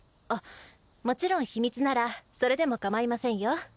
あっもちろん秘密ならそれでもかまいませんよ。